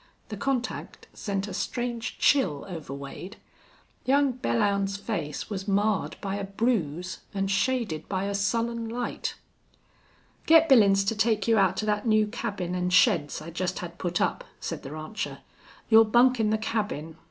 The contact sent a strange chill over Wade. Young Belllounds's face was marred by a bruise and shaded by a sullen light. "Get Billin's to take you out to thet new cabin an' sheds I jest had put up," said the rancher. "You'll bunk in the cabin....